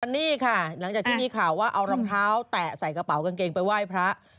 นี่ค่ะหลังจากที่มีข่าวว่าเอารองเท้าแตะใส่กระเป๋ากางเกงไปไหว้พระ